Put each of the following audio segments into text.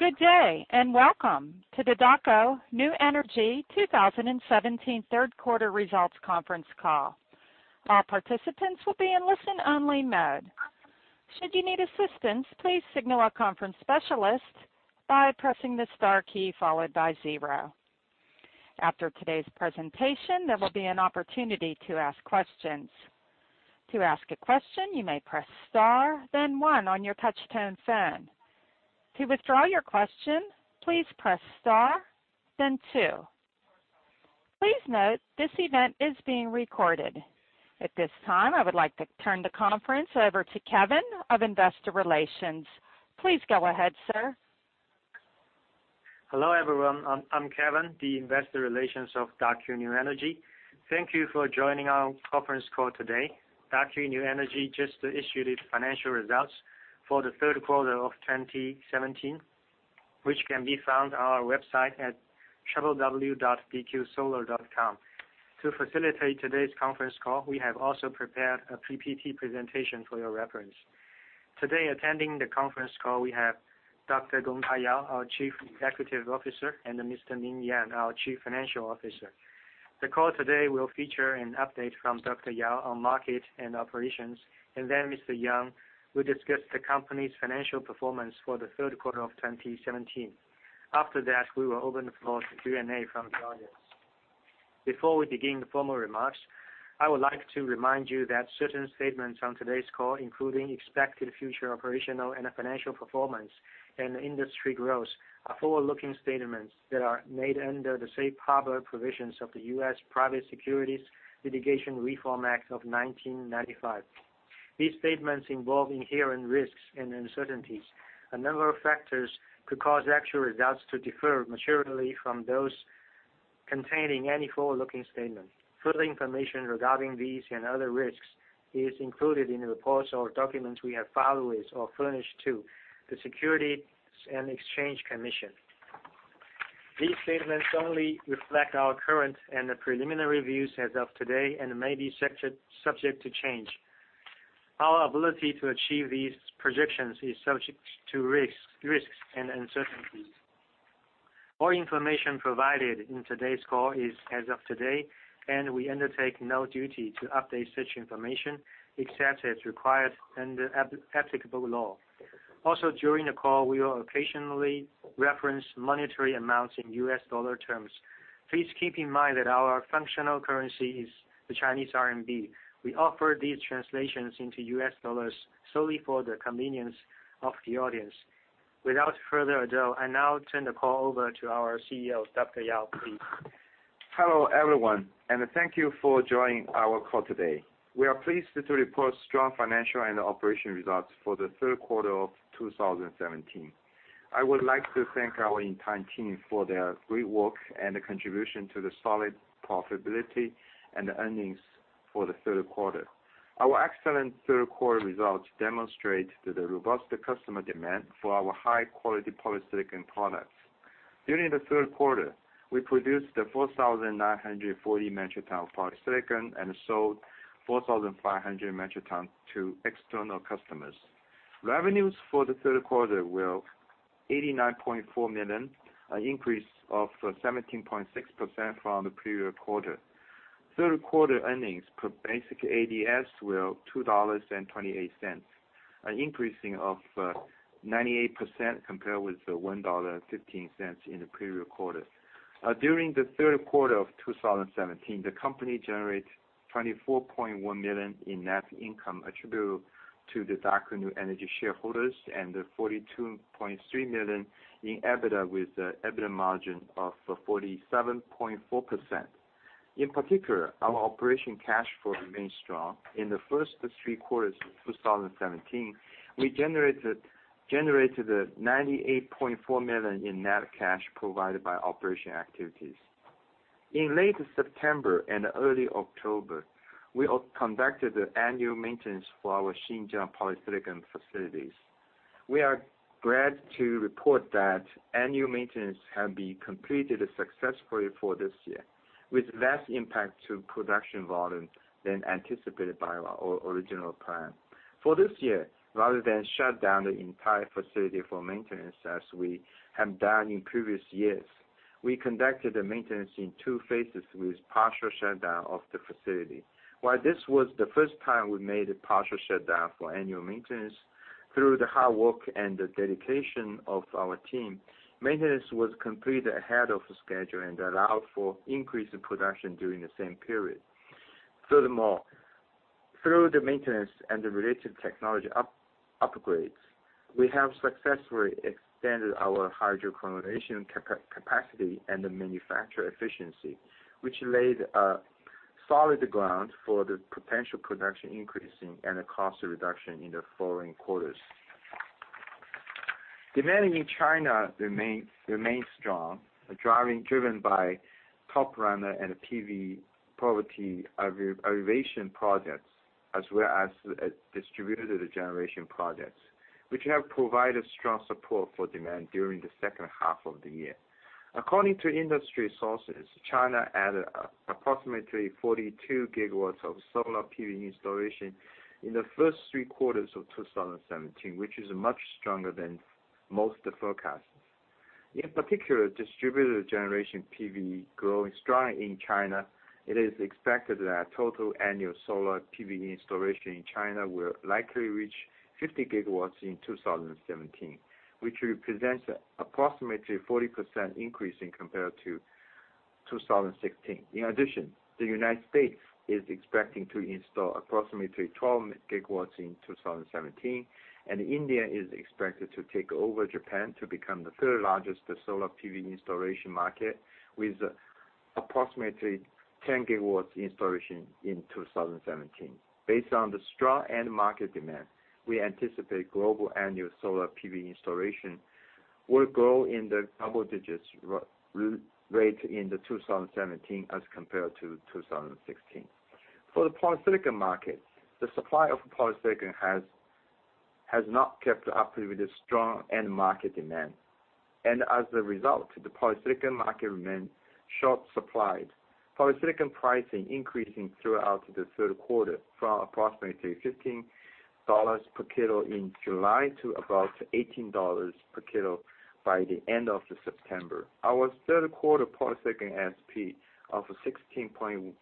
Good day, and welcome to the Daqo New Energy 2017 third quarter result conference call. Our participants will be on listen only mode. Should you need assistance, please signal a conference specialist by pressing the star key followed by zero. After today's presentation, there will be opportunity to ask questions. To ask a question, you may press star then one on your touchtone phone. To withdraw your question, please press star then two. Please note this event is being recorded. At this time, I would like to turn the conference over to Kevin of Investor Relations. Please go ahead, sir. Hello, everyone. I'm Kevin, the Investor Relations of Daqo New Energy. Thank you for joining our conference call today. Daqo New Energy just issued its financial results for the third quarter of 2017, which can be found on our website at www.dqsolar.com. To facilitate today's conference call, we have also prepared a PPT presentation for your reference. Today, attending the conference call, we have Dr. Gongda Yao, our Chief Executive Officer, and Mr. Ming Yang, our Chief Financial Officer. The call today will feature an update from Dr. Yao on market and operations, and then Mr. Yang will discuss the company's financial performance for the third quarter of 2017. After that, we will open the floor to Q&A from the audience. Before we begin the formal remarks, I would like to remind you that certain statements on today's call, including expected future operational and financial performance and industry growth, are forward-looking statements that are made under the safe harbor provisions of the U.S. Private Securities Litigation Reform Act of 1995. These statements involve inherent risks and uncertainties. A number of factors could cause actual results to differ materially from those containing any forward-looking statement. Further information regarding these and other risks is included in the reports or documents we have filed with or furnished to the Securities and Exchange Commission. These statements only reflect our current and the preliminary views as of today and may be subject to change. Our ability to achieve these projections is subject to risks and uncertainties. All information provided in today's call is as of today. We undertake no duty to update such information except as required under applicable law. During the call, we will occasionally reference monetary amounts in USD terms. Please keep in mind that our functional currency is the Chinese RMB. We offer these translations into USD solely for the convenience of the audience. Without further ado, I now turn the call over to our CEO, Dr. Yao, please. Hello, everyone, and thank you for joining our call today. We are pleased to report strong financial and operation results for the third quarter of 2017. I would like to thank our entire team for their great work and contribution to the solid profitability and earnings for the third quarter. Our excellent third quarter results demonstrate the robust customer demand for our high-quality polysilicon products. During the third quarter, we produced 4,940 metric ton of polysilicon and sold 4,500 metric ton to external customers. Revenues for the third quarter were $89.4 million, an increase of 17.6% from the previous quarter. Third quarter earnings per basic ADS were $2.28, an increasing of 98% compared with the $1.15 in the previous quarter. During the third quarter of 2017, the company generated $24.1 million in net income attributable to the Daqo New Energy shareholders and $42.3 million in EBITDA with the EBITDA margin of 47.4%. In particular, our operation cash flow remained strong. In the first three quarters of 2017, we generated $98.4 million in net cash provided by operation activities. In late September and early October, we all conducted the annual maintenance for our Xinjiang polysilicon facilities. We are glad to report that annual maintenance have been completed successfully for this year, with less impact to production volume than anticipated by our original plan. For this year, rather than shut down the entire facility for maintenance as we have done in previous years, we conducted the maintenance in two phases with partial shutdown of the facility. While this was the first time we made a partial shutdown for annual maintenance, through the hard work and the dedication of our team, maintenance was completed ahead of schedule and allowed for increased production during the same period. Furthermore, through the maintenance and the related technology upgrades, we have successfully extended our hydrochlorination capacity and the manufacture efficiency, which laid a solid ground for the potential production increasing and a cost reduction in the following quarters. Demand in China remains strong, driven by Top Runner and PV poverty alleviation projects as well as distributed generation projects, which have provided strong support for demand during the second half of the year. According to industry sources, China added approximately 42 GW of solar PV installation in the first three quarters of 2017, which is much stronger than most forecasts. In particular, distributed generation PV growing strong in China. It is expected that total annual solar PV installation in China will likely reach 50 GW in 2017, which represents approximately 40% increase in compared to 2016. In addition, the U.S. is expecting to install approximately 12 GW in 2017, and India is expected to take over Japan to become the third largest solar PV installation market with approximately 10 GW installation in 2017. Based on the strong end market demand, we anticipate global annual solar PV installation will grow in the double digits rate in the 2017 as compared to 2016. For the polysilicon market, the supply of polysilicon has not kept up with the strong end market demand. As a result, the polysilicon market remained short supplied. Polysilicon pricing increasing throughout the third quarter from approximately $15 per kilo in July to about $18 per kilo by the end of September. Our third quarter polysilicon ASP of $16.19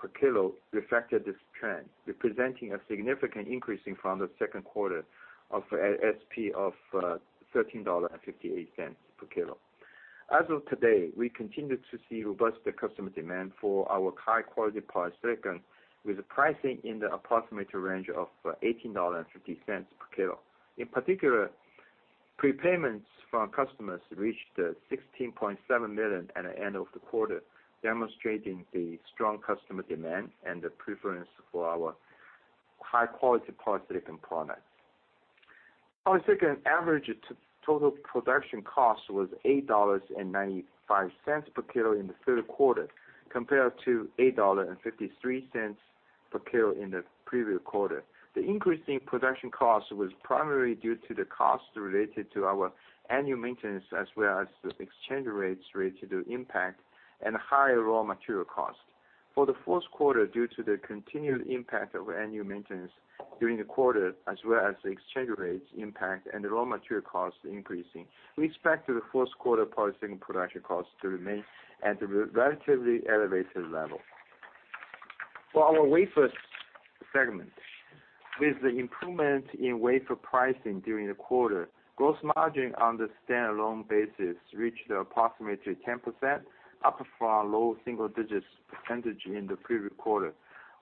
per kilo reflected this trend, representing a significant increasing from the second quarter ASP of $13.58 per kilo. As of today, we continue to see robust customer demand for our high-quality polysilicon with pricing in the approximate range of $18.50 per kilo. In particular, prepayments from customers reached $16.7 million at the end of the quarter, demonstrating the strong customer demand and the preference for our high-quality polysilicon product. Polysilicon average to-total production cost was $8.95 per kilo in the third quarter compared to $8.53 per kilo in the previous quarter. The increase in production cost was primarily due to the cost related to our annual maintenance as well as the exchange rates related to impact and higher raw material cost. For the fourth quarter, due to the continued impact of annual maintenance during the quarter as well as the exchange rates impact and the raw material cost increasing, we expect the fourth quarter polysilicon production cost to remain at a relatively elevated level. For our wafer segment, with the improvement in wafer pricing during the quarter, gross margin on the standalone basis reached approximately 10%, up from low single digits percentage in the previous quarter.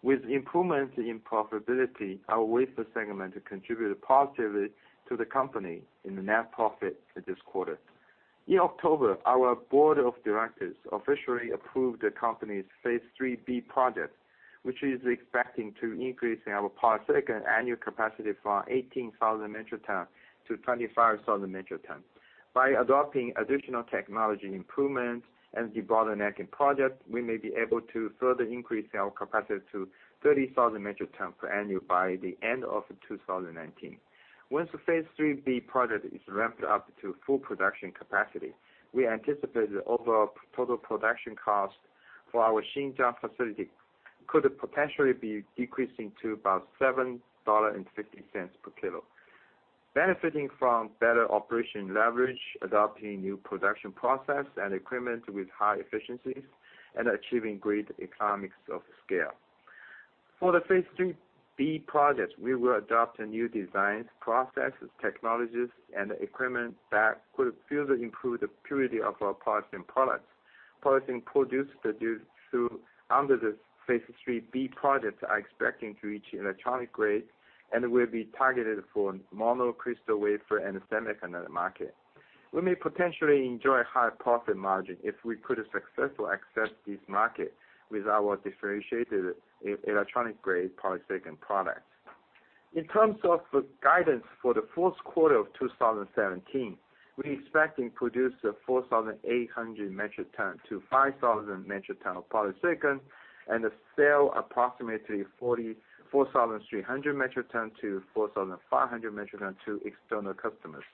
With improvements in profitability, our wafer segment contributed positively to the company in the net profit for this quarter. In October, our board of directors officially approved the company's Phase 3B project, which is expecting to increase our polysilicon annual capacity from 18,000 metric tons to 25,000 metric tons. By adopting additional technology improvements and debottlenecking projects, we may be able to further increase our capacity to 30,000 metric tons per annual by the end of 2019. Once the Phase 3B project is ramped up to full production capacity, we anticipate the overall total production cost for our Xinjiang facility could potentially be decreasing to about $7.50 per kilo. Benefiting from better operation leverage, adopting new production process and equipment with high efficiencies and achieving great economies of scale. For the Phase 3B project, we will adopt new designs, processes, technologies, and equipment that could further improve the purity of our polysilicon products. Polysilicon produced under the Phase 3B project are expecting to reach electronic grade and will be targeted for monocrystal wafer and semiconductor market. We may potentially enjoy high profit margin if we could successfully access this market with our differentiated electronic grade polysilicon products. In terms of guidance for the fourth quarter of 2017, we expecting produce 4,800 metric ton to 5,000 metric ton of polysilicon and sell approximately 44,300 metric ton to 4,500 metric ton to external customers.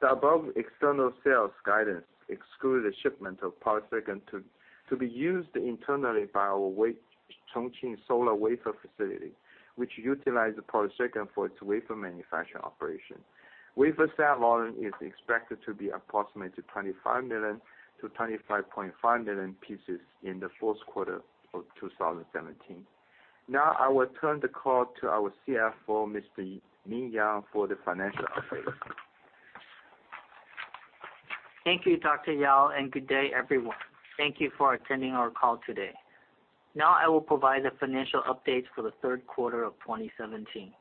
The above external sales guidance excludes the shipment of polysilicon to be used internally by our Chongqing solar wafer facility, which utilize polysilicon for its wafer manufacturing operation. Wafer sale volume is expected to be approximately 25 million to 25.5 million pieces in the fourth quarter of 2017. I will turn the call to our CFO, Mr. Ming Yang for the financial update. Thank you, Dr. Yao, good day, everyone. Thank you for attending our call today. I will provide the financial updates for the third quarter of 2017.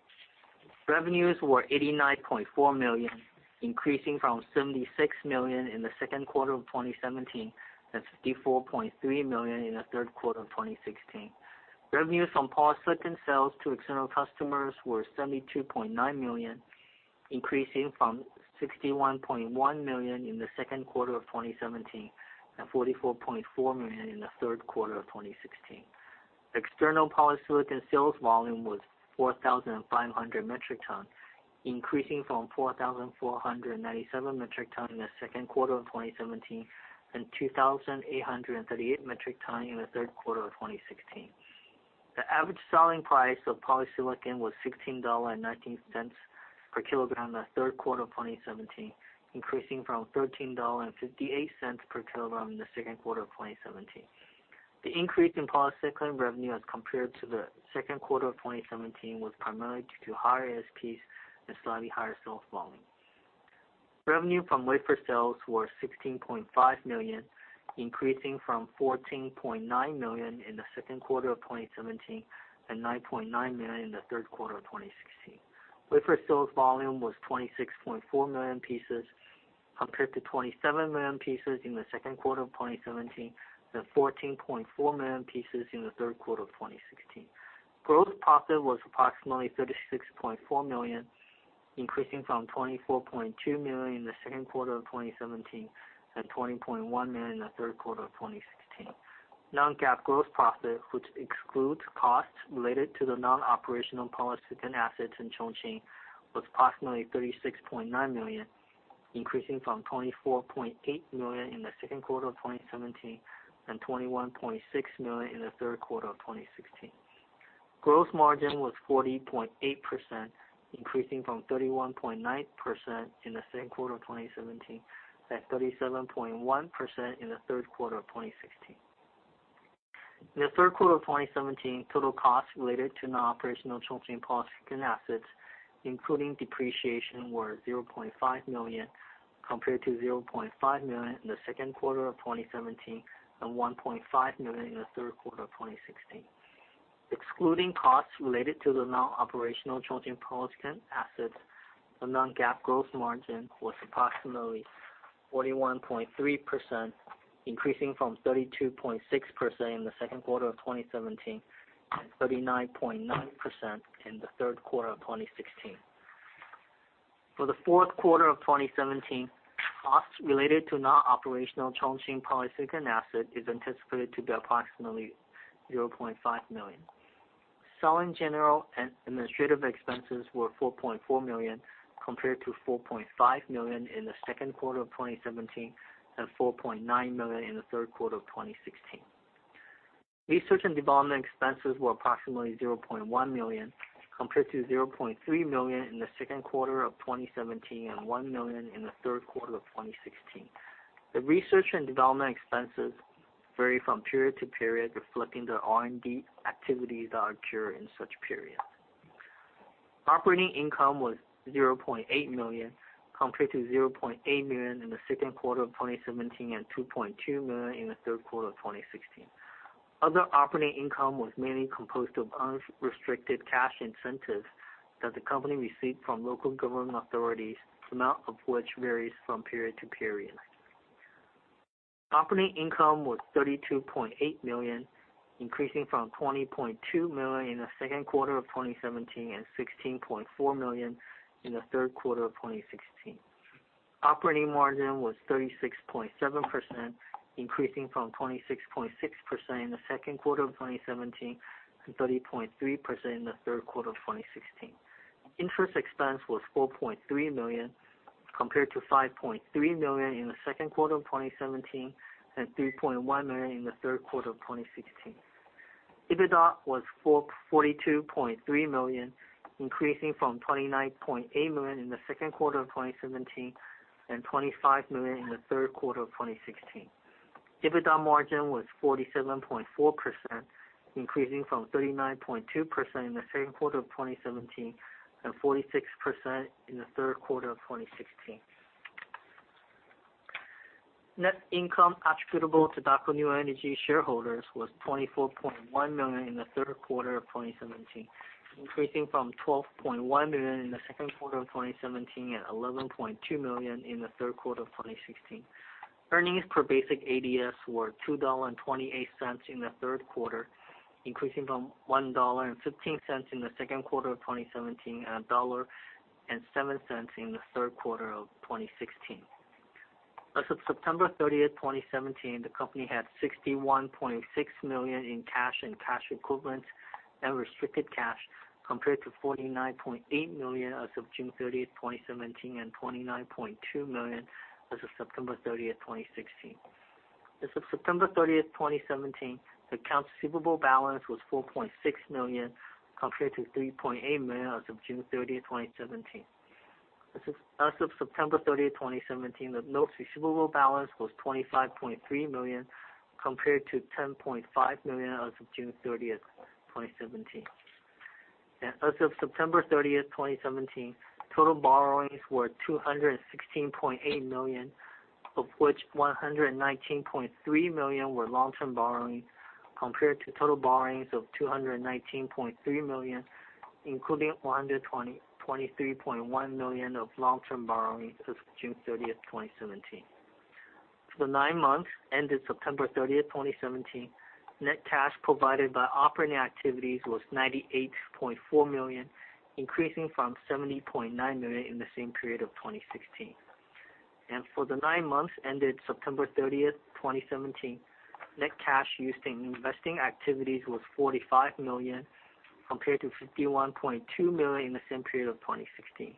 Revenues were $ 89.4 million, increasing from $76 million in the second quarter of 2017 and $54.3 million in the third quarter of 2016. Revenues from polysilicon sales to external customers were $72.9 million, increasing from $61.1 million in the second quarter of 2017 and $44.4 million in the third quarter of 2016. External polysilicon sales volume was 4,500 metric tons, increasing from 4,497 metric tons in the second quarter of 2017 and 2,838 metric tons in the third quarter of 2016. The average selling price of polysilicon was $16.19 per kilogram in the third quarter of 2017, increasing from $13.58 per kilogram in the second quarter of 2017. The increase in polysilicon revenue as compared to the second quarter of 2017 was primarily due to higher ASPs and slightly higher sales volume. Revenue from wafer sales were $16.5 million, increasing from $14.9 million in the second quarter of 2017 and $9.9 million in the third quarter of 2016. Wafer sales volume was 26.4 million pieces, compared to 27 million pieces in the second quarter of 2017 and 14.4 million pieces in the third quarter of 2016. Gross profit was approximately $36.4 million, increasing from $24.2 million in the second quarter of 2017 and $20.1 million in the third quarter of 2016. Non-GAAP gross profit, which excludes costs related to the non-operational polysilicon assets in Chongqing, was approximately $36.9 million, increasing from $24.8 million in the second quarter of 2017 and $21.6 million in the third quarter of 2016. Gross margin was 40.8%, increasing from 31.9% in the second quarter of 2017 and 37.1% in the third quarter of 2016. In the third quarter of 2017, total costs related to non-operational Chongqing polysilicon assets, including depreciation, were $0.5 million, compared to $0.5 million in the second quarter of 2017 and $ 1.5 million in the third quarter of 2016. Excluding costs related to the non-operational Chongqing polysilicon assets, the non-GAAP gross margin was approximately 41.3%, increasing from 32.6% in the second quarter of 2017 and 39.9% in the third quarter of 2016. For the fourth quarter of 2017, costs related to non-operational Chongqing polysilicon asset is anticipated to be approximately $0.5 million. Selling, general and administrative expenses were $4.4 million, compared to $4.5 million in the second quarter of 2017 and $4.9 million in the third quarter of 2016. Research and development expenses were approximately $0.1 million, compared to $0.3 million in the second quarter of 2017 and $1 million in the third quarter of 2016. The research and development expenses vary from period to period, reflecting the R&D activities that occur in such periods. Operating income was $0.8 million, compared to $0.8 million in the second quarter of 2017 and $2.2 million in the third quarter of 2016. Other operating income was mainly composed of unrestricted cash incentives that the company received from local government authorities, the amount of which varies from period to period. Operating income was $32.8 million, increasing from $20.2 million in the second quarter of 2017 and $16.4 million in the third quarter of 2016. Operating margin was 36.7%, increasing from 26.6% in the second quarter of 2017 and 30.3% in the third quarter of 2016. Interest expense was $4.3 million, compared to $5.3 million in the second quarter of 2017 and $3.1 million in the third quarter of 2016. EBITDA was $42.3 million, increasing from $29.8 million in the second quarter of 2017 and $25 million in the third quarter of 2016. EBITDA margin was 47.4%, increasing from 39.2% in the second quarter of 2017 and 46% in the third quarter of 2016. Net income attributable to Daqo New Energy shareholders was $24.1 million in the thirrd quarter of 2017, increasing from $12.1 million in the second quarter of 2017 and $11.2 million in the third quarter of 2016. Earnings per basic ADS were $2.28 in the third quarter, increasing from $1.15 in the second quarter of 2017 and $1.07 in the third quarter of 2016. As of September 30th, 2017, the company had $61.6 million in cash and cash equivalents and restricted cash, compared to $49.8 million as of June 30th, 2017, and $29.2 million as of September 30th, 2016. As of September 30th, 2017, the accounts receivable balance was $4.6 million, compared to $3.8 million as of June 30th, 2017. As of September 30th, 2017, the notes receivable balance was $25.3 million, compared to $10.5 million as of June 30th, 2017. As of September 30th, 2017, total borrowings were $216.8 million, of which $119.3 million were long-term borrowings, compared to total borrowings of $219.3 million, including $123.1 million of long-term borrowings as of June 30th, 2017. For the nine months ended September 30th, 2017, net cash provided by operating activities was $98.4 million, increasing from $70.9 million in the same period of 2016. For the nine months ended September 30th, 2017, net cash used in investing activities was $45 million. Compared to $51.2 million in the same period of 2016.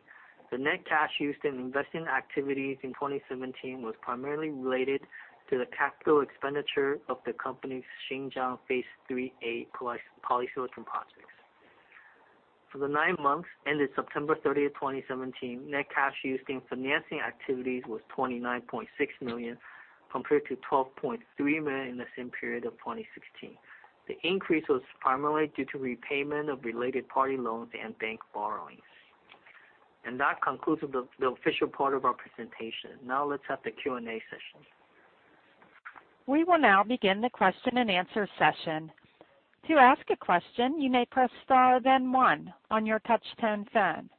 The net cash used in investing activities in 2017 was primarily related to the capital expenditure of the company's Xinjiang Phase 3A polysilicon projects. For the nine months ended September 30th, 2017, net cash used in financing activities was $29.6 million compared to $12.3 million in the same period of 2016. The increase was primarily due to repayment of related party loans and bank borrowings. That concludes the official part of our presentation. Now let's have the Q&A session. We will now begin the question and answer session. To ask a question, you may press star then one on your touchtone phone.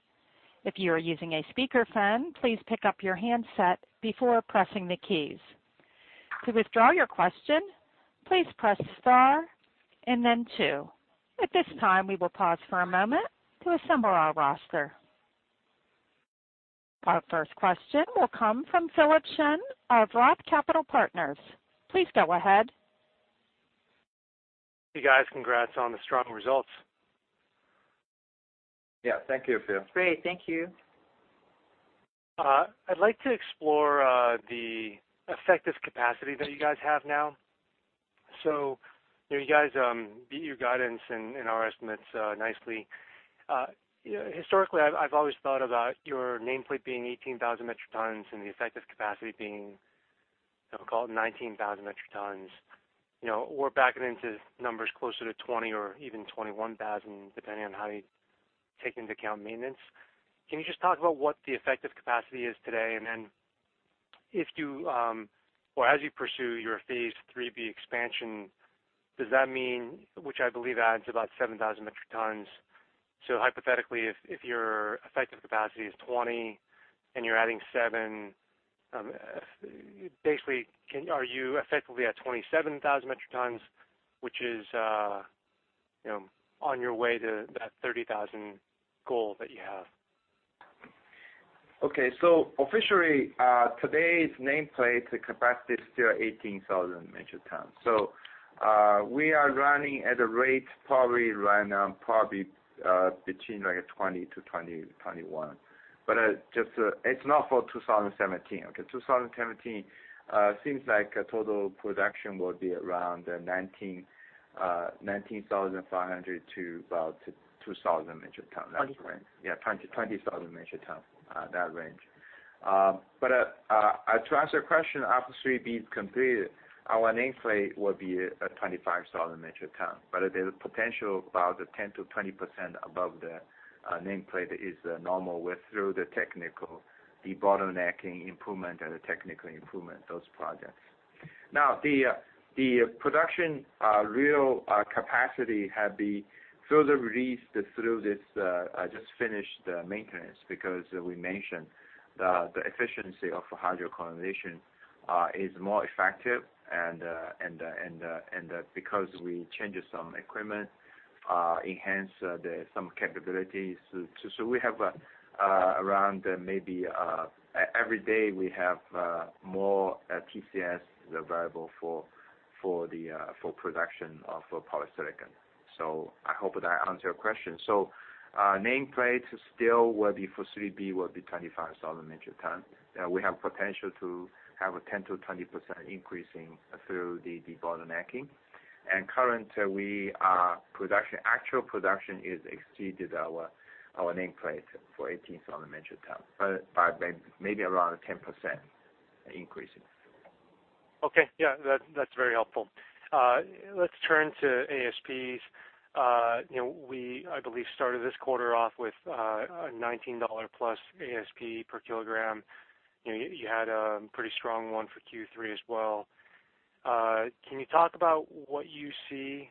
If you are using a speaker phone, please pick up your handset before pressing the keys. To withdraw your question, please press star and then two. At this time, we will pause for a moment to assemble our roster. Our first question will come from Philip Shen of Roth Capital Partners. Please go ahead. Hey, guys. Congrats on the strong results. Yeah. Thank you, Phil. Great. Thank you. I'd like to explore the effective capacity that you guys have now. You guys beat your guidance and our estimates nicely. Historically, I've always thought about your nameplate being 18,000 metric tons and the effective capacity being, I would call it 19,000 metric tons. You know, we're backing into numbers closer to 20,000 or even 21,000 metric tons, depending on how you take into account maintenance. Can you just talk about what the effective capacity is today? Then if you, or as you pursue your Phase 3B expansion, does that mean, which I believe adds about 7,000 metric tons? Hypothetically, if your effective capacity is 20,000 and you're adding 7,000, basically are you effectively at 27,000 metric tons, which is, you know, on your way to that 30,000 metric tons goal that you have? Okay. Officially, today's nameplate capacity is still 18,000 metric tons. We are running at a rate probably right now, probably between 20,000 to 21,000 metric tons. It's not for 2017, okay? 2017 seems like total production will be around 19,500 to about 2,000 metric ton. That's right. Yeah. 20,000 metric ton that range. To answer your question, after Phase 3B is completed, our nameplate will be at 25,000 metric ton. There's potential about 10%-20% above the nameplate is normal through the technical debottlenecking improvement and the technical improvement, those projects. Now, the production real capacity have been further released through this just finished maintenance because we mentioned the efficiency of hydrochlorination is more effective and because we changed some equipment enhanced some capabilities. We have around maybe every day we have more TCS available for the production of polysilicon. I hope that answered your question. Nameplates still will be for Phase 3B will be 25,000 metric ton. We have potential to have a 10%-20% increasing through the debottlenecking. Currently, Actual production is exceeded our nameplate for 18,000 metric ton, but by maybe around 10% increase in. Okay. Yeah. That, that's very helpful. Let's turn to ASPs. You know, we, I believe, started this quarter off with a $19 plus ASP per kilogram, you know, you had a pretty strong one for Q3 as well. Can you talk about what you see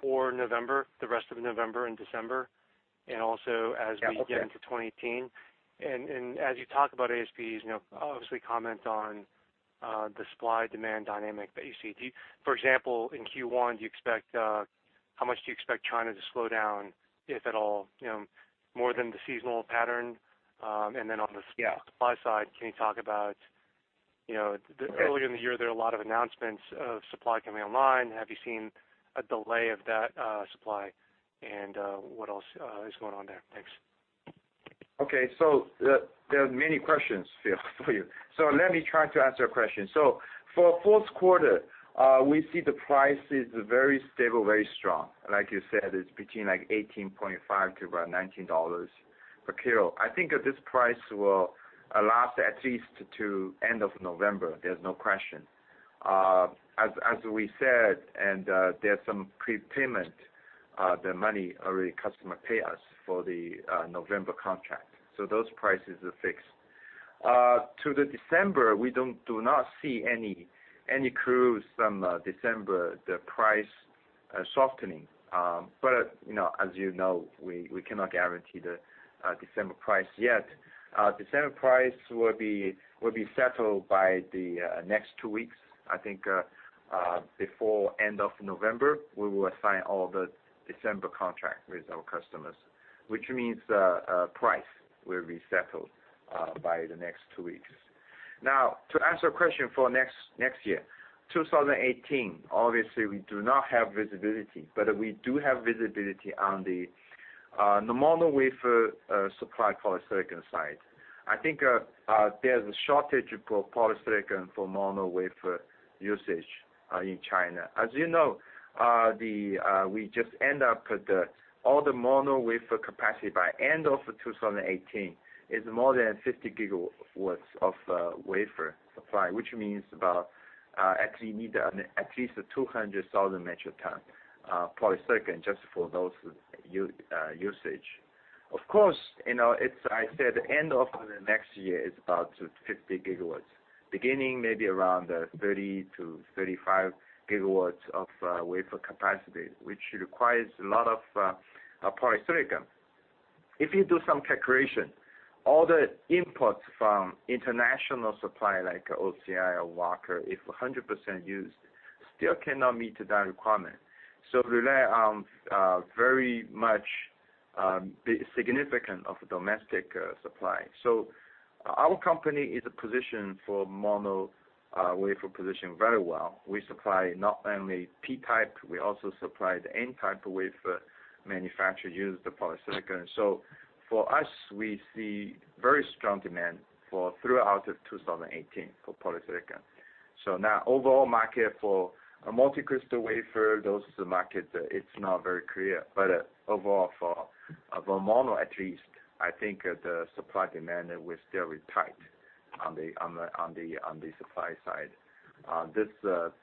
for November, the rest of November and December... Yeah. Okay. ...we get into 2018? As you talk about ASPs, you know, obviously comment on the supply-demand dynamic that you see. Do you For example, in Q1, do you expect how much do you expect China to slow down, if at all, you know, more than the seasonal pattern... Yeah. ...supply side, can you talk about, you know... Okay. ...earlier in the year, there are a lot of announcements of supply coming online. Have you seen a delay of that supply, and what else is going on there? Thanks. Okay. There are many questions, Phil, for you. Let me try to answer your question. For fourth quarter, we see the price is very stable, very strong. Like you said, it's between, like, $18.5 to around $19 per kilo, I think this price will last at least to end of November. There's no question. As we said, there's some prepayment, the money already customer pay us for the November contract, those prices are fixed. To the December, we do not see any clues from December, the price softening. You know, as you know, we cannot guarantee the December price yet. December price will be settled by the next two weeks, I think, before end of November, we will sign all the December contract with our customers, which means, price will be settled by the next two weeks. Now to answer a question for next year. 2018, obviously, we do not have visibility, but we do have visibility on the mono wafer supply polysilicon side. I think there's a shortage for polysilicon for mono wafer usage in China. As you know, we just end up with all the mono wafer capacity by end of 2018 is more than 50 GW of wafer supply, which means actually need at least 200,000 metric tons polysilicon just for those usage. Of course, you know, I said, end of the next year is about 50 GW. Beginning maybe around 30-35 GW of wafer capacity, which requires a lot of polysilicon. If you do some calculation, all the imports from international supply like OCI or Wacker, if 100% used, still cannot meet that requirement. Rely on very much the significant of domestic supply. Our company is positioned for mono wafer position very well. We supply not only P-type, we also supply the N-type wafer manufacture use the polysilicon. For us, we see very strong demand for throughout of 2018 for polysilicon. Now overall market for a multicrystalline wafer, those is the market that it's not very clear. Overall for mono at least, I think the supply-demand will still be tight on the supply side. This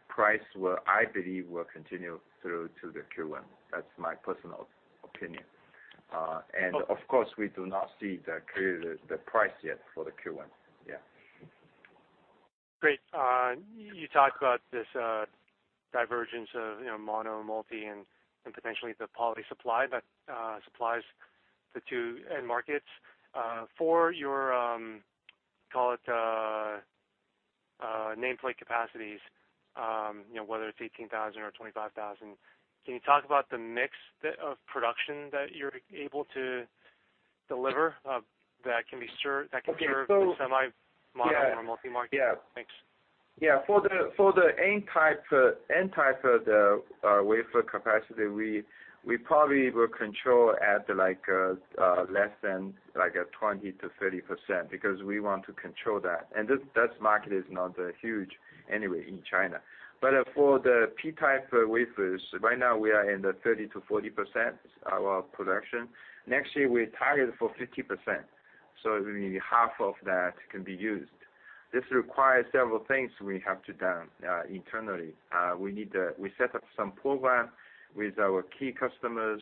price will, I believe, will continue through to the Q1, that's my personal opinion. Of course, we do not see the clear the price yet for the Q1. Yeah. Great. You talked about this divergence of, you know, mono, multi and potentially the poly supply that supplies the two end markets. For your, call it, nameplate capacities, you know, whether it's 18,000 or 25,000 metric tons, can you talk about the mix of production that you're able to deliver? Okay. That can serve the semi mono or multi-market? Yeah. Thanks. For the N-type wafer capacity, we probably will control at less than 20%-30% because we want to control that, that market is not huge anyway in China. For the P-type wafers, right now we are in the 30%-40% our production. Next year we target for 50%, so it will be half of that can be used. This requires several things we have to done internally. We set up some program with our key customers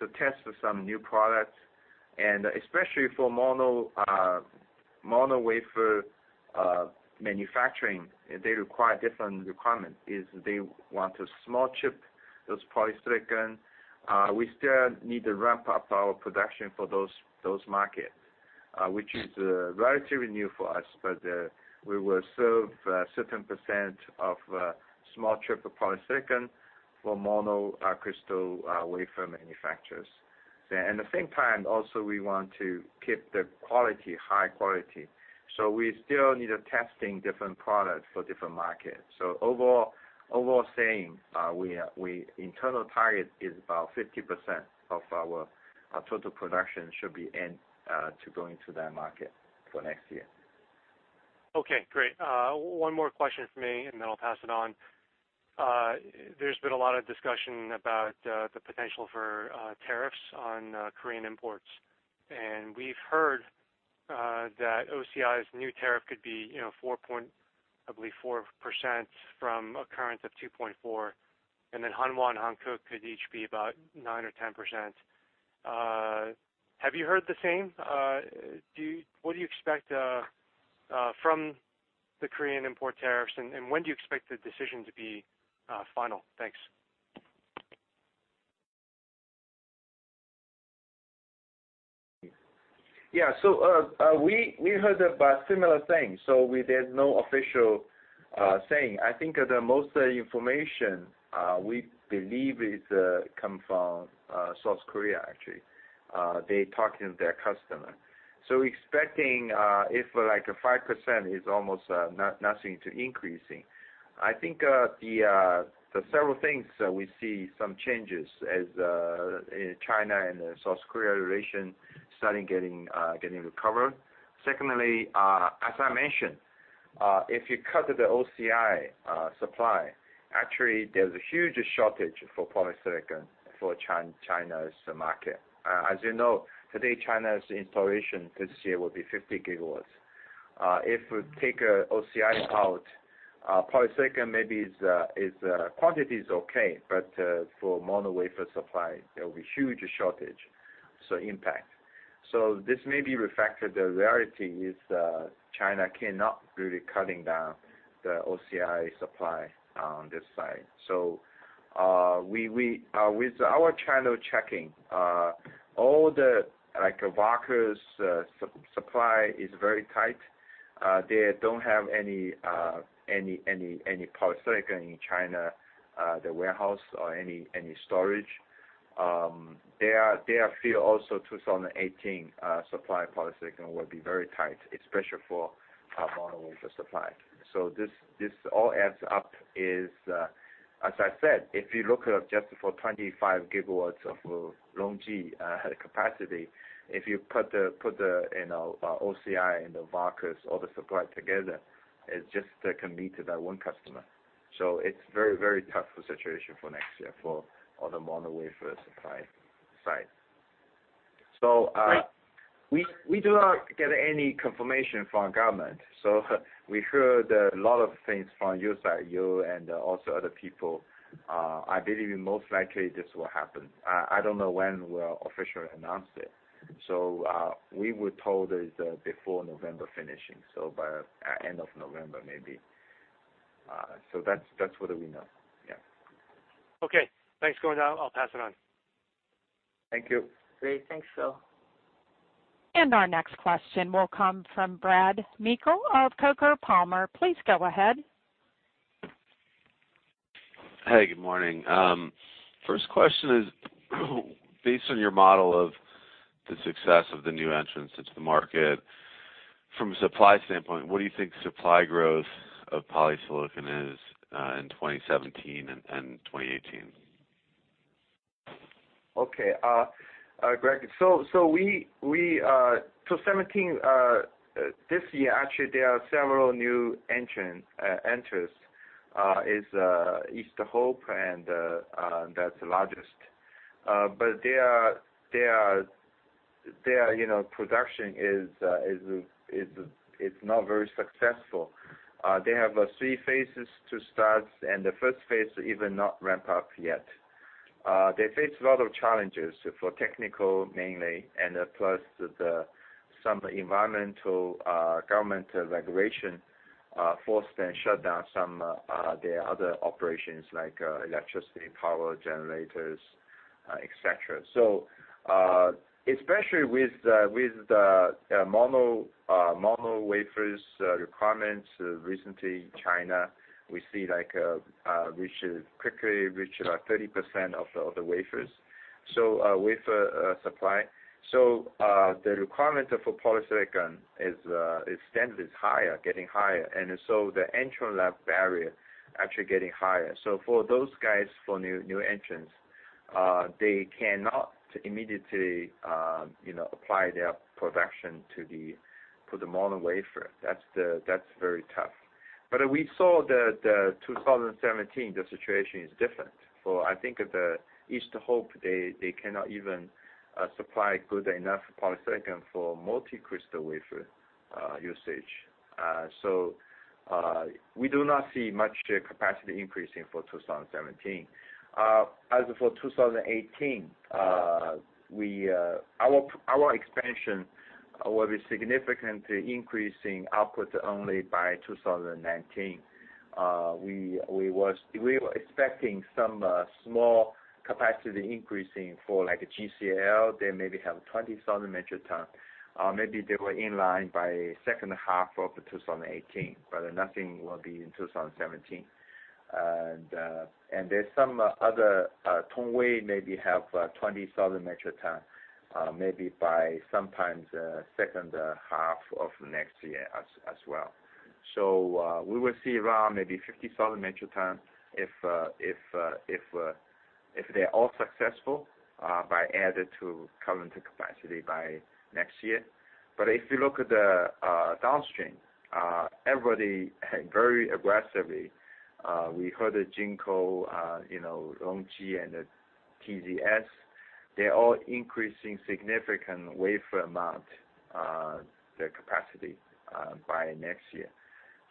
to test some new products. Especially for mono wafer manufacturing, they require different requirement, is they want a small chunk those polysilicon. We still need to ramp up our production for those market, which is relatively new for us. We will serve a certain percent of small chunk polysilicon for mono crystal wafer manufacturers. At the same time, we also want to keep the quality, high quality. We still need a testing different products for different markets. Overall saying, our internal target is about 50% of our total production should be going to that market for next year. Okay, great. One more question from me, and then I'll pass it on. There's been a lot of discussion about the potential for tariffs on Korean imports. We've heard that OCI's new tariff could be 4.4% from a current of 2.4%. Then Hanwha and Hankook could each be about 9% or 10%. Have you heard the same? What do you expect from the Korean import tariffs? When do you expect the decision to be final? Thanks. Yeah, we heard about similar things, there's no official saying. I think the most information we believe is come from South Korea, actually, they talking to their customer. Expecting if like a 5% is almost no-nothing to increasing. I think the several things that we see some changes as China and South Korea relation starting getting recovered. Secondly, as I mentioned, if you cut the OCI supply, actually there's a huge shortage for polysilicon for China's market. As you know, today China's installation this year will be 50 GW. If we take OCI out, polysilicon maybe is quantity is okay, but for mono wafer supply, there will be huge shortage, so impact. This may be reflected. The reality is that China cannot really cutting down the OCI supply on this side. We with our channel checking, all the like Wacker supply is very tight. They don't have any polysilicon in China, the warehouse or any storage. They are feel also 2018 supply polysilicon will be very tight, especially for mono wafer supply. This all adds up is, as I said, if you look at just for 25 GW of LONGi capacity, if you put the, you know, OCI and the Wacker all the supply together, it just can meet that one customer. It's very tough situation for next year for all the mono wafer supply side. Great. We do not get any confirmation from government. We heard a lot of things from you side, you and also other people. I believe most likely this will happen. I don't know when we'll officially announce it. We were told is before November finishing, so by end of November maybe. That's what we know. Yeah. Okay. Thanks, Gongda. I'll pass it on. Thank you. Great. Thanks, Philip. Our next question will come from Brad Meikle of Coker Palmer. Please go ahead. Hey, good morning. First question is, based on your model of the success of the new entrants into the market, from a supply standpoint, what do you think supply growth of polysilicon is in 2017 and 2018? Okay. Brad, so we, so 17 this year, actually, there are several new entrant enters. Is East Hope and that's the largest, their, you know, production is not very successful. They have three phases to start, and the first phase even not ramp up yet. They face a lot of challenges for technical mainly, and plus some environmental government regulation forced them shut down some their other operations like electricity, power generators, et cetera. Especially with the mono wafers requirements recently China, we see like we should quickly reach 30% of the wafers. Wafer supply. The requirement for polysilicon is standard is higher, getting higher. The entry lab barrier actually getting higher. For those guys, for new entrants, you know, they cannot immediately apply their production to the mono wafer. That's very tough. We saw the 2017, the situation is different. I think the East Hope, they cannot even supply good enough polysilicon for multicrystalline wafer usage. We do not see much capacity increasing for 2017. As for 2018, our expansion will be significantly increasing output only by 2019. We were expecting some small capacity increasing for like GCL, they maybe have 20,000 metric tons. Maybe they were in line by second half of 2018, but nothing will be in 2017. There's some other, Tongwei maybe have 20,000 metric ton, maybe by sometimes second half of next year as well. We will see around maybe 50,000 metric ton if they're all successful, by added to current capacity by next year. If you look at the downstream, everybody very aggressively, we heard that Jinko, you know, LONGi and TZS, they're all increasing significant wafer amount, their capacity by next year.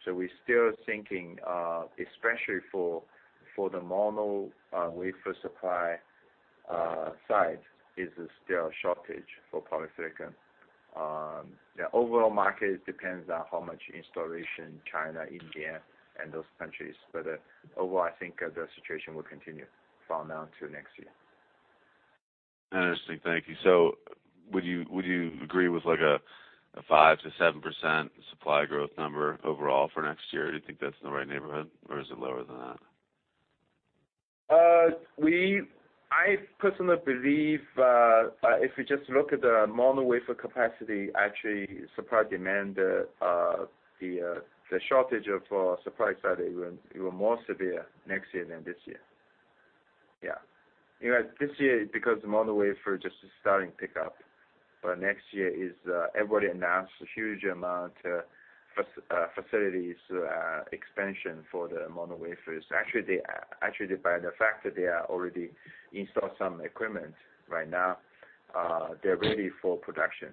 We're still thinking, especially for the mono wafer supply, side is still a shortage for polysilicon. The overall market depends on how much installation China, India, and those countries. Overall, I think the situation will continue from now to next year. Interesting. Thank you. Would you agree with a 5%-7% supply growth number overall for next year? Do you think that's in the right neighborhood, or is it lower than that? I personally believe, if you just look at the mono wafer capacity, actually supply-demand, the shortage of supply side will more severe next year than this year. You know, this year, because mono wafer just starting pick up, but next year is everybody announced a huge amount facilities expansion for the mono wafers. Actually, by the fact that they are already installed some equipment right now, they're ready for production.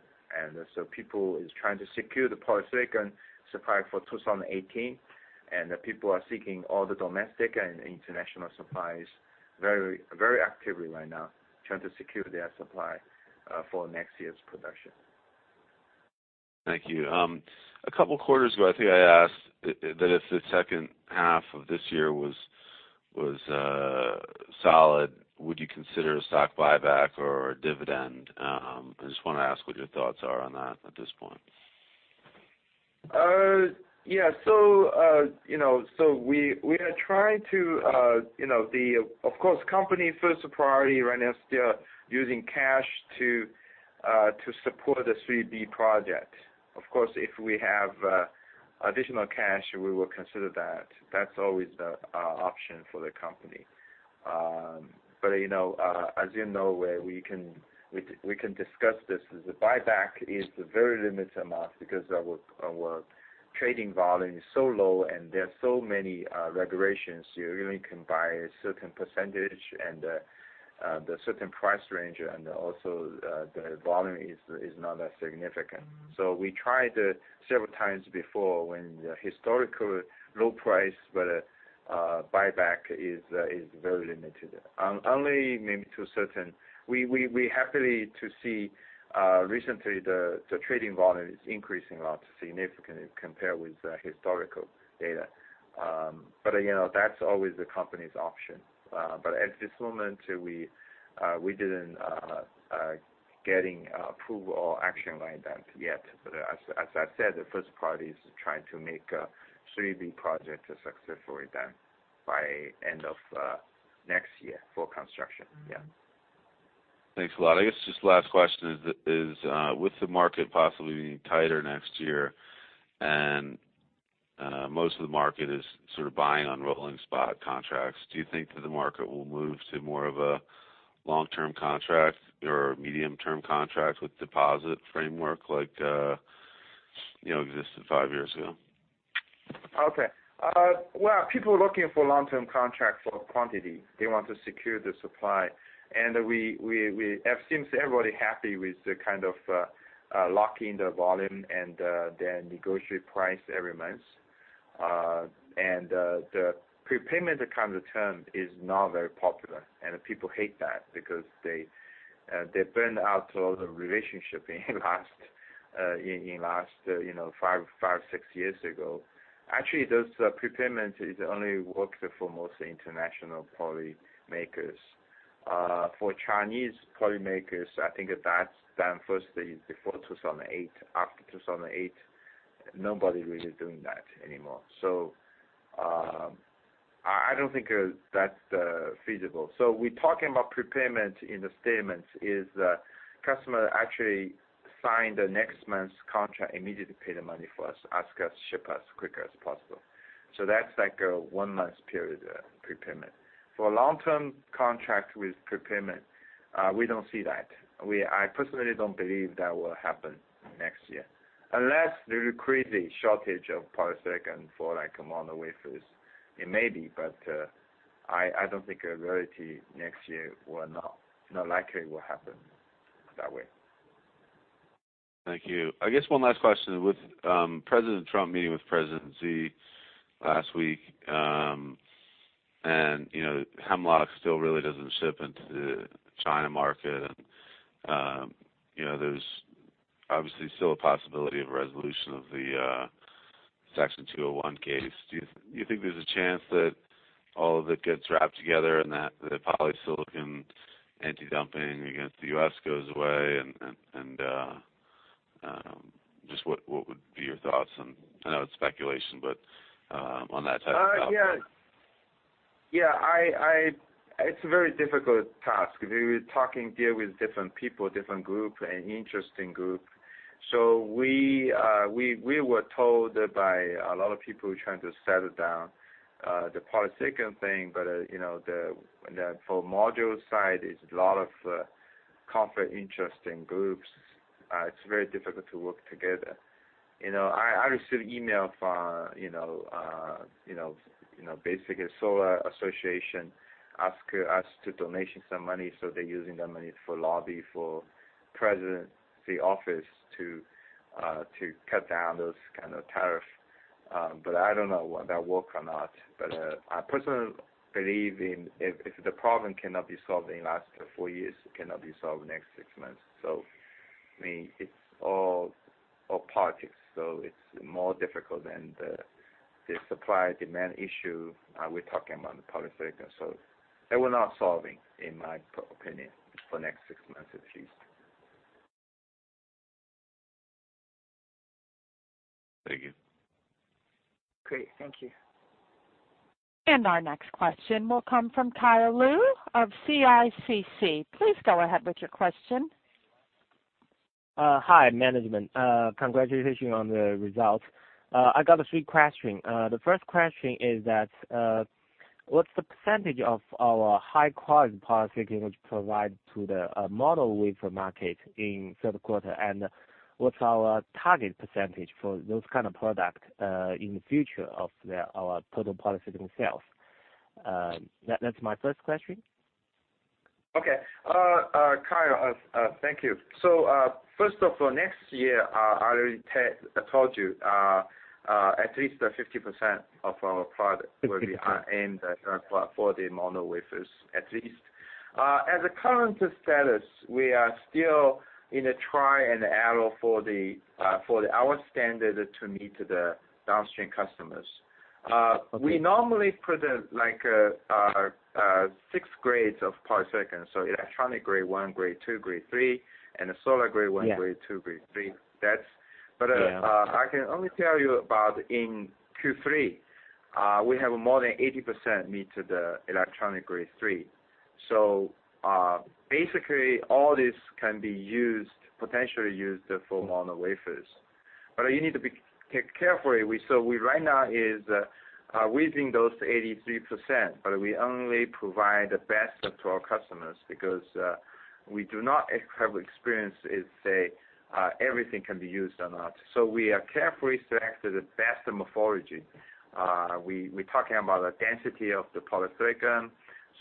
People is trying to secure the polysilicon supply for 2018, and people are seeking all the domestic and international supplies very actively right now, trying to secure their supply for next year's production. Thank you. A couple quarters, I think I asked that if the second half of this year was solid, would you consider a stock buyback or a dividend? I just wanna ask what your thoughts are on that at this point. You know, we are trying to, you know, Of course, company first priority right now is still using cash to support the Phase 3B project. Of course, if we have additional cash, we will consider that, that's always the option for the company. You know, as you know, we can discuss this. The buyback is a very limited amount because our trading volume is so low, and there are so many regulations. You really can buy a certain percentage and the certain price range and also the volume is not that significant. We tried several times before when the historical low price, but buyback is very limited. Only maybe to a certain We happily to see recently the trading volume is increasing a lot significantly compared with the historical data. You know, that's always the company's option. At this moment, we didn't getting approval or action like that yet. As I said, the first priority is trying to make Phase 3B project successfully done by end of next year for construction. Yeah. Thanks a lot. I guess just last question is, with the market possibly being tighter next year, and most of the market is sort of buying on rolling spot contracts, do you think that the market will move to more of a long-term contract or medium-term contract with deposit framework like, you know, existed five years ago? Well, people are looking for long-term contracts for quantity. They want to secure the supply. We have seen everybody happy with the kind of locking the volume and then negotiate price every month. The prepayment kind of term is not very popular, and people hate that because they burned out all the relationship in last, in last, you know, five, six years ago. Actually, those prepayment is only working for mostly international poly makers. For Chinese poly makers, I think that's done firstly before 2008, after 2008, nobody really doing that anymore. I don't think that's feasible. We're talking about prepayment in the statements is, customer actually sign the next month's contract, immediately pay the money for us, ask us, ship us quicker as possible. That's like a one-month period, prepayment. For long-term contract with prepayment, we don't see that, I personally don't believe that will happen next year. Unless there's a crazy shortage of polysilicon for like mono wafers, it may be, but I don't think a reality next year will not likely will happen that way. Thank you. I guess one last question. With President Trump meeting with President Xi last week, and, you know, Hemlock still really doesn't ship into the China market, and, you know, there's obviously still a possibility of a resolution of the Section 201 case. Do you think there's a chance that all of it gets wrapped together and that the polysilicon anti-dumping against the U.S. goes away and, just what would be your thoughts on I know it's speculation, but on that type of thought? Yeah. Yeah, it's a very difficult task. We're talking here with different people, different group, interesting group. We were told by a lot of people trying to settle down the polysilicon thing. You know, the for module side, it's a lot of conflict interesting groups, it's very difficult to work together. You know, I received email from, you know, you know, you know, basically Solar Association ask us to donation some money, so they're using the money for lobby for Presidency office to cut down those kind of tariff. I don't know whether that work or not. I personally believe in if the problem cannot be solved in last four years, it cannot be solved next six months. I mean, it's all politics. It's more difficult than the supply-demand issue, we're talking about the polysilicon. They will not solving, in my opinion, for next six months at least. Thank you. Great. Thank you. Our next question will come from Kyle Liu of CICC. Please go ahead with your question. Hi, management. Congratulations on the results. I got a three question. The first question is that, what's the percentage of our high-quality polysilicon which provide to the mono wafer market in third quarter, and what's our target percentage for those kind of product in the future of our total polysilicon sales? That's my first question. Okay. Kyle, thank you. First off, for next year, I already told you, at least 50% of our product will be aimed at for the mono wafers at least. As a current status, we are still in a trial and error for the, for our standard to meet the downstream customers. We normally present like, six grades of polysilicon. Electronic grade 1, grade 2, grade 3, and the solar grade 1.. Yeah. ...grade 2, grade 3. Yeah. I can only tell you about in Q3, we have more than 80% meet the electronic grade 3. Basically, all this can be used, potentially used for mono wafers. You need to take carefully. We right now is, we bring those to 83%, but we only provide the best to our customers because we do not have experience to say everything can be used or not. We are carefully select the best morphology. We talking about the density of the polysilicon.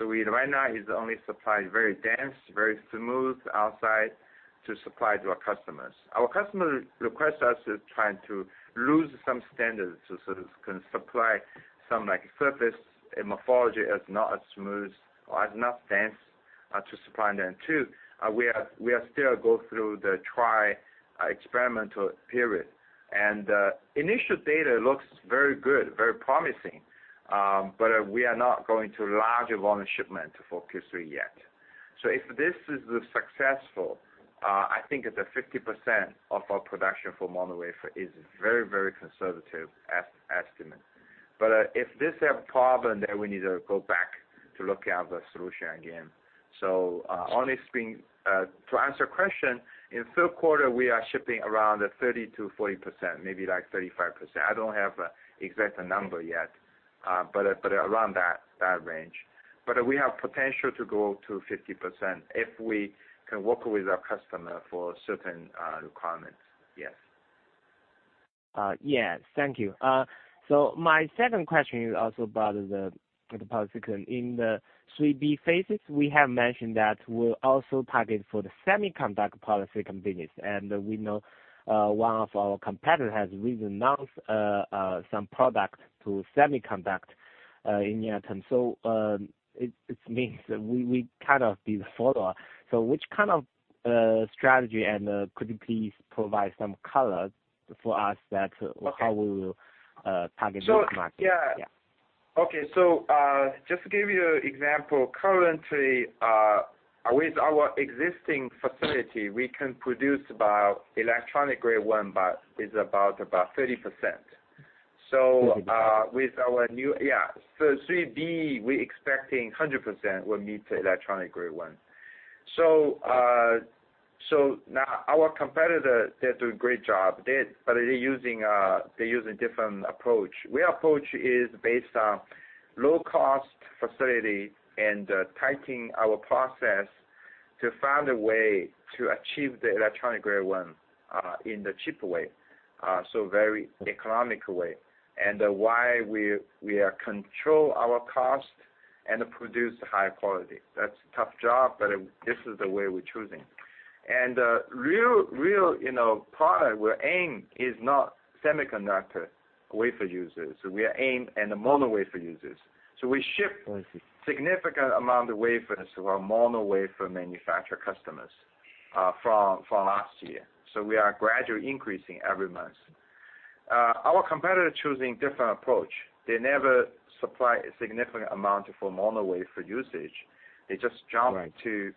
Right now is only supply very dense, very smooth outside to supply to our customers. Our customer request us to try to lose some standards to, so that it can supply some like surface morphology as not as smooth or as not dense to supply them too. We are still go through the experimental period. Initial data looks very good, very promising. We are not going to larger volume shipment for Q3 yet. If this is successful, I think it's a 50% of our production for mono wafer is very, very conservative estimate. If this have problem, we need to go back to look at the solution again. To answer your question, in third quarter we are shipping around 30%-40%, maybe like 35%, I don't have exact number yet, but around that range. We have potential to go to 50% if we can work with our customer for certain requirements. Yes. Yes. Thank you. My second question is also about the polysilicon. In the Phase 3B phases, we'll also target for the semiconductor polysilicon business, and we know one of our competitor has recently announced some product to semiconductor in near term. It means we kind of be the follower. Which kind of strategy and could you please provide some color for us that... Okay. ...how we will target this market? Yeah. Yeah. Okay. Just to give you an example, currently, with our existing facility, we can produce about electronic grade 1, but it's about 30%. Okay. With our new Phase 3B, we expecting 100% will meet electronic grade 1. Now our competitor, they're doing great job, they're using different approach. We approach is based on low cost facility and tightening our process to find a way to achieve the electronic grade 1 in the cheap way, very economical way. Why we control our cost and produce high quality. That's a tough job, this is the way we're choosing. Real, real, you know, product we aim is not semiconductor wafer users. We are aim in the mono wafer users... I see. ...significant amount of wafers to our mono wafer manufacturer customers, from last year. We are gradually increasing every month. Our competitor choosing different approach. They never supply a significant amount for mono wafer usage... Right ...to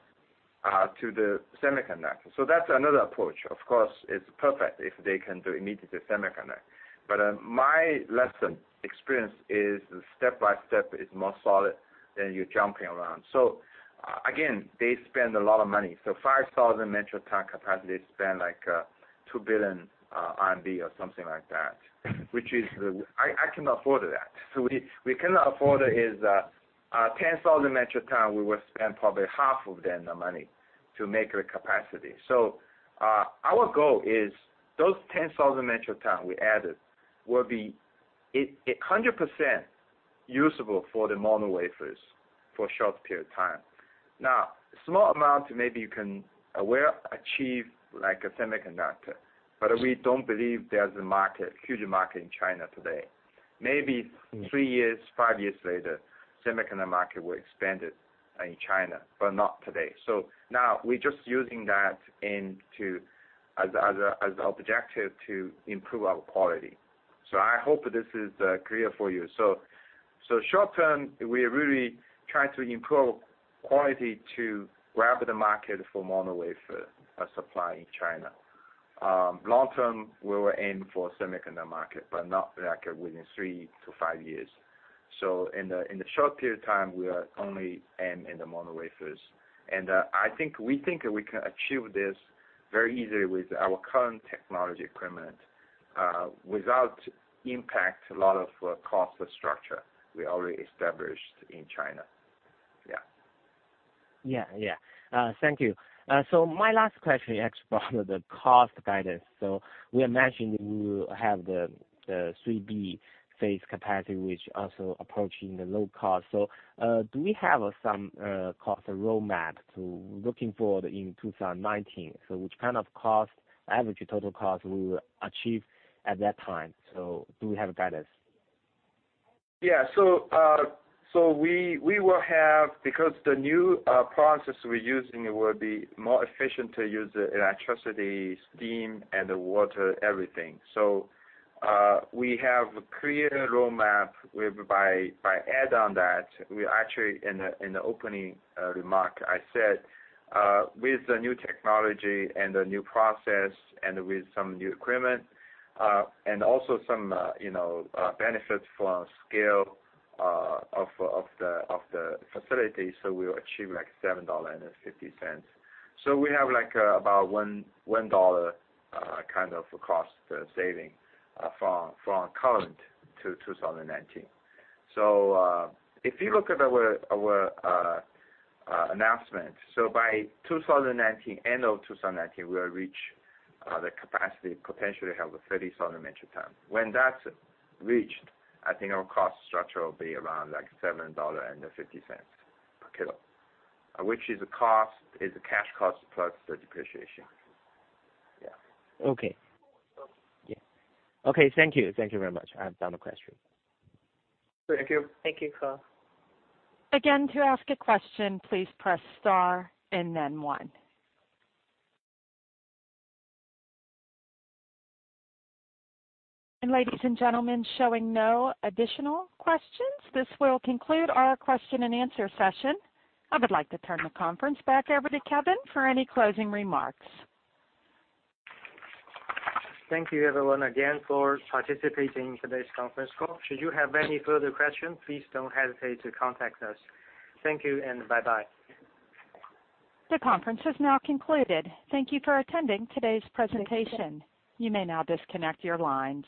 to the semiconductor, that's another approach. Of course, it's perfect if they can do immediately semiconductor. My lesson, experience is step by step is more solid than you jumping around. Again, they spend a lot of money. 5,000 metric ton capacity spend like $ 2 billion or something like that, which is the I cannot afford that. We, we cannot afford is 10,000 metric ton, we will spend probably half of them the money to make the capacity. Our goal is those 10,000 metric ton we added will be in 100% usable for the mono wafers for short period of time. Now, small amount maybe you can well achieve like a semiconductor, but we don't believe there's a market, huge market in China today. Three years, five years later, semiconductor market will expand it in China, but not today. Now we're just using that as a objective to improve our quality, I hope this is clear for you. Short-term, we are really trying to improve quality to grab the market for mono wafer supply in China. Long-term, we will aim for semiconductor market, but not like within three to five years. In the short period of time, we are only aim in the mono wafers. I think, we think we can achieve this very easily with our current technology equipment without impact a lot of cost structure we already established in China. Yeah. Yeah, yeah. Thank you. My last question asks about the cost guidance. We imagine you have the Phase 3B capacity, which also approaching the low cost. Do we have some cost roadmap to looking forward in 2019? Which kind of cost, average total cost we will achieve at that time? Do we have a guidance? Yeah. Because the new process we're using will be more efficient to use the electricity, steam and the water, everything. We have a clear roadmap where by add on that, we actually in the opening remark, I said, with the new technology and the new process and with some new equipment, and also some, you know, benefits from scale of the facility, we will achieve like $7.50. We have like about $1 kind of cost saving from current to 2019. If you look at our announcement, by 2019, end of 2019, we'll reach the capacity, potentially have a 30,000 metric tons. When that's reached, I think our cost structure will be around like $7.50 per kilo. Which is a cost, is a cash cost plus the depreciation. Yeah. Okay. Yeah, okay. Thank you. Thank you very much, I have no more question. Thank you. Thank you, Kyle. To ask a question, please press star and then one. Ladies and gentlemen, showing no additional questions, this will conclude our question and answer session. I would like to turn the conference back over to Kevin for any closing remarks. Thank you everyone again for participating in today's conference call. Should you have any further questions, please don't hesitate to contact us. Thank you and bye-bye. The conference is now concluded. Thank you for attending today's presentation. You may now disconnect your lines.